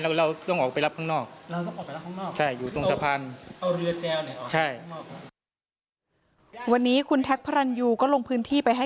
เพราะตอนกลางคืนมันจะเงียบไว้เขาย้ายออกไปหมด